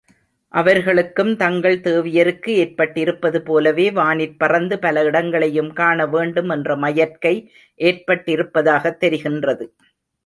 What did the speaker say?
அவர்களுக்கும் தங்கள் தேவியாருக்கு ஏற்பட்டிருப்பது போலவே வானிற்பறந்து பல இடங்களையும் காணவேண்டும் என்ற மயற்கை ஏற்பட்டிருப்பதாகத் தெரிகின்றது.